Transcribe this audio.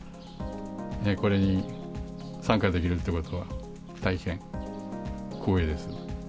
これに参加できるってことは大変光栄です。